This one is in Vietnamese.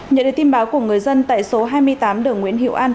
nhận được tin báo của người dân tại số hai mươi tám đường nguyễn hiệu an